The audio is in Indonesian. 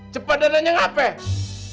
cepat datangnya ngapain